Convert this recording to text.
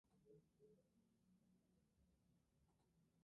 El evento presentó dos separadas.